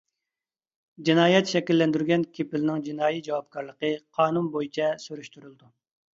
جىنايەت شەكىللەندۈرگەن كېپىلنىڭ جىنايى جاۋابكارلىقى قانۇن بويىچە سۈرۈشتۈرۈلىدۇ.